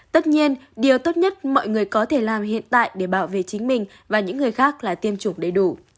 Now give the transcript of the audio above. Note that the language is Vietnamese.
tất nhiên điều tốt nhất mọi người có thể làm hiện tại để bảo vệ chính mình và những người khác là tiêm chủng đầy đủ